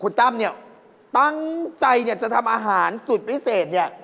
คุณตั้มตั้งใจจะทำอาหารสุดพิเศษ